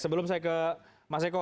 sebelum saya ke mas eko